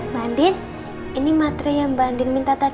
bandit ini materi yang mbak andin minta tadi